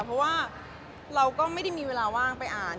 เพราะว่าเราก็ไม่ได้มีเวลาว่างไปอ่าน